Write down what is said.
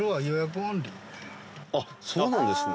あっそうなんですね。